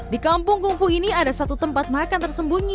di kampung gungfu ini ada satu tempat makan tersembunyi